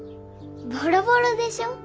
ボロボロでしょ？